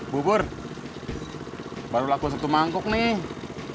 bu bur baru lakukan satu mangkuk nih